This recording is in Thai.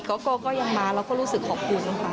ก็ยังมาเราก็รู้สึกขอบคุณนะคะ